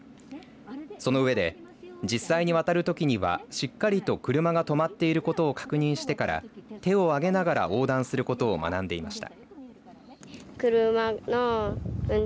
その上で、実際に渡るときにはしっかりと車が止まっていることを確認してから手を挙げながら横断することを学んでいました。